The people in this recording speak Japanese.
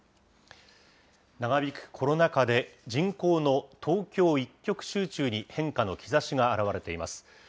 長引くコロナ禍で、人口の東京一極集中に変化の兆しが現れています。